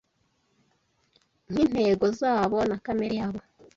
nkintego zabo na kamere yabo